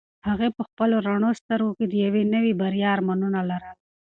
هغې په خپلو رڼو سترګو کې د یوې نوې بریا ارمانونه لرل.